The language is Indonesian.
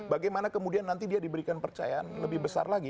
bagaimana kemudian nanti dia diberikan percayaan lebih besar lagi